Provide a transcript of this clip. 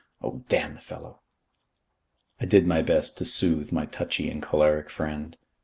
Oh, damn the fellow!" I did my best to soothe my touchy and choleric friend.